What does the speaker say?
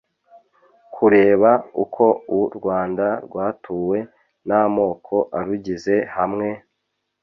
- kureba uko u rwanda rwatuwe n'amoko arugize hamwe